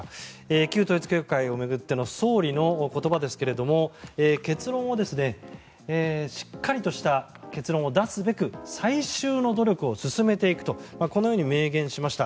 旧統一教会を巡っての総理の言葉ですがしっかりとした結論を出すべく最終の努力を進めていくとこのように明言しました。